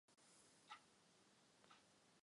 Sleduje linii demokratického socialismu.